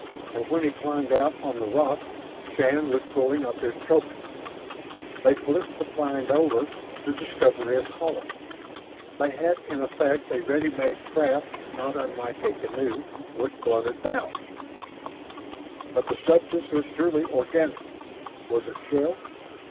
And when he climbed out on the rock, Shann was pulling up his trophy. They flipped the find over, to discover it hollow. They had, in effect, a ready made craft not unlike a canoe with blunted bows. But the substance was surely organic: Was it shell?